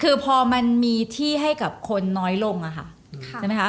คือพอมันมีที่ให้กับคนน้อยลงอะค่ะ